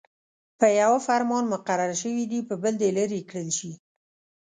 په يوه فرمان مقرر شوي دې په بل دې لیرې کړل شي.